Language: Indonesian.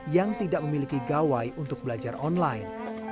yang tidak memiliki gawai untuk belajar online